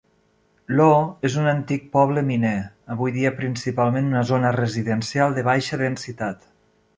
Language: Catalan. Law és un antic poble miner, avui dia principalment una zona residencial de baixa densitat.